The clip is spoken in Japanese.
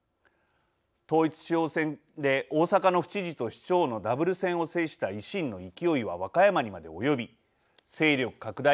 統一地方選で大阪の府知事と市長のダブル戦を制した維新の勢いは和歌山にまで及び勢力拡大を示しました。